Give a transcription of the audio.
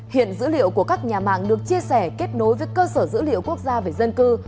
hiện dữ liệu của các nhà mạng được chia sẻ kết nối với cơ sở dữ liệu quốc gia về dân cư